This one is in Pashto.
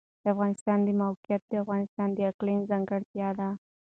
د افغانستان د موقعیت د افغانستان د اقلیم ځانګړتیا ده.